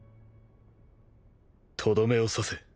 とどめを刺せ。